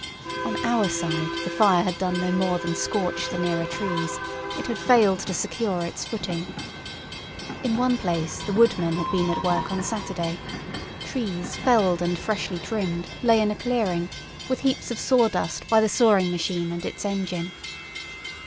On our side the fire had done no more than scorch the nearer trees; it had failed to secure its footing. In one place the woodmen had been at work on Saturday; trees, felled and freshly trimmed, lay in a clearing, with heaps of sawdust by the sawing machine and its engine.